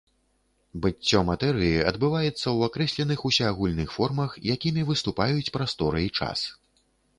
Быццё матэрыі адбываецца ў акрэсленых усеагульных формах, якімі выступаюць прастора і час.